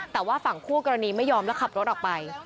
แต่ว่าฝั่งคู่กรณีไม่ยอมแล้วขับรถออกไป